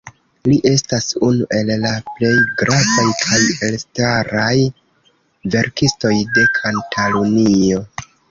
Li estas unu el la plej gravaj kaj elstaraj verkistoj de Katalunio.